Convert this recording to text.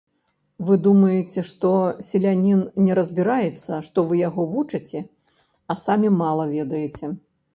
Вы думаеце, селянін не разбіраецца, што вы яго вучыце, а самі мала ведаеце.